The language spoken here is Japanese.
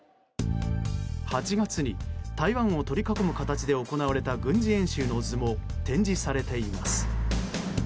８月に台湾を取り囲む形で行われた軍事演習の図も展示されています。